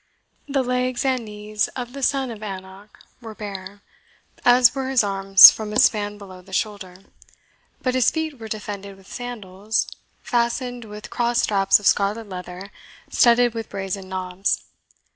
The legs and knees of this son of Anak were bare, as were his arms from a span below the shoulder; but his feet were defended with sandals, fastened with cross straps of scarlet leather studded with brazen knobs.